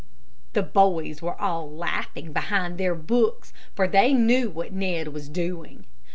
The boys were all laughing behind their books, for they knew what Ned was doing.